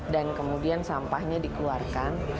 dan kemudian sampahnya dikeluarkan